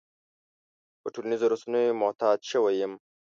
په ټولنيزو رسنيو معتاد شوی يم.